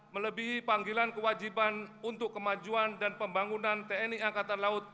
melebihi panggilan kewajiban untuk kemajuan dan pembangunan tni angkatan laut